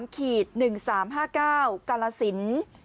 ๘๓คีด๑๓๕๙กละสิน